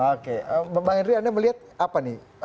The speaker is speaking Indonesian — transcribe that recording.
oke bang henry anda melihat apa nih